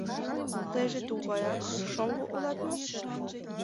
— Тыйже тугаяк шоҥго улат мо?